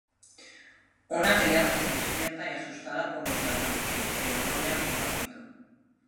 Una criada se despierta y asustada por los ladrones, pero no ve a Pulgarcito.